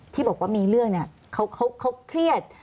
ที่บอกว่ามีเรื่องเนี่ยเขาเครียด